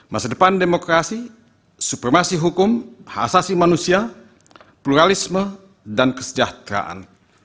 masa depan demokrasi supermasi hukum khasasi manusia pluralisme dan kesejahteraan